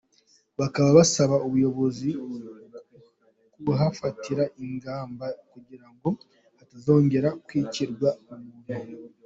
Bakaba basaba ubuyobozi kuhafatira ingamba kugira ngo hatazongera kwicirwa umuntu.